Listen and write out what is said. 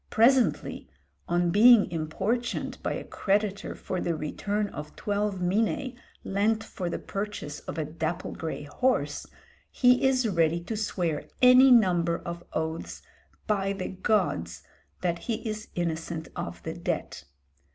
Presently, on being importuned by a creditor for the return of twelve minæ lent for the purchase of a dapple grey horse, he is ready to swear any number of oaths "by the gods" that he is innocent of the debt.